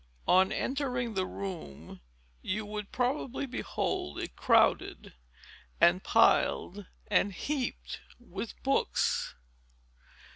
On entering the room you would probably behold it crowded, and piled, and heaped with books.